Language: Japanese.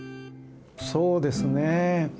そうですね。